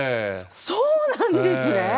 そうなんですね。